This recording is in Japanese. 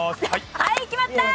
はい、決まった！